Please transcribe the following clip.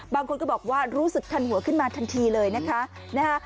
บางคนก็บอกว่ารู้สึกทันหัวขึ้นมาทันทีเลยนะคะ